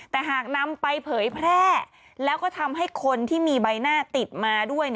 แต่หากนำไปเผยแพร่แล้วก็ทำให้คนที่มีใบหน้าติดมาด้วย